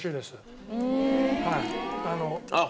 あっ！